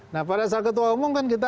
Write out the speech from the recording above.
nah pada saat ketua umum kan kita